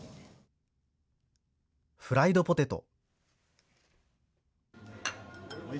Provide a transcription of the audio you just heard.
フライドポテト。